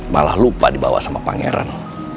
malah lupa dibawa sama pangeran